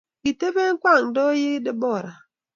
Kitebee kwangdoyii Deborah.